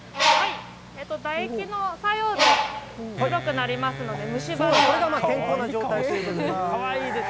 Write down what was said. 唾液の作用で黒くなりますので、虫歯ではないです。